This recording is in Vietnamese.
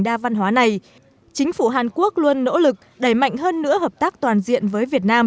đa văn hóa này chính phủ hàn quốc luôn nỗ lực đẩy mạnh hơn nữa hợp tác toàn diện với việt nam